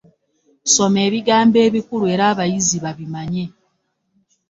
Soma ebigambo ebikulu era abayizi babimanye.